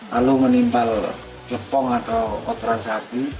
lalu menimpal kepong atau otoran sapi